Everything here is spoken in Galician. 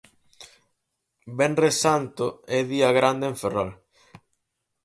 Venres Santo e día grande en Ferrol.